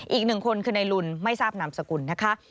อีกหนึ่งคนคือในลุนไม่ทราบนามสกุลนะคะ